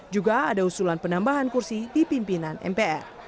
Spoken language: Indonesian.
juga ada usulan penambahan kursi di pimpinan mpr